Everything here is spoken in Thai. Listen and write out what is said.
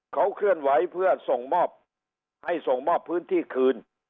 เขาเคลื่อนไหวเพื่อส่งมอบให้ส่งมอบพื้นที่คืน